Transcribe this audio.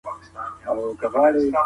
هغه غواړي چې نوې پانګه اچونه وکړي.